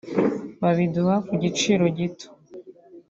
babiduha ku giciro gito